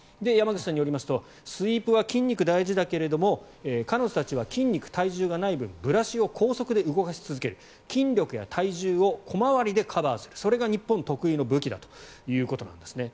山口さんによりますとスイープは筋肉が大事だけど彼女たちは筋肉、体重がない分ブラシを高速で動かし続ける筋力や体重を小回りでカバーするそれが日本特有の武器だということです。